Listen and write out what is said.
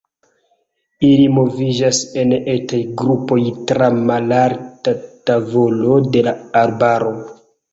Ili moviĝas en etaj grupoj tra malalta tavolo de la arbaro.